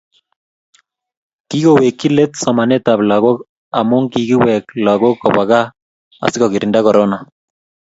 Kikowekchi let somanetab lagok amu kikiwek lagok kobwa gaa asikogirinda korona